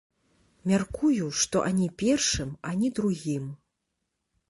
Мяркую, што ані першым, ані другім.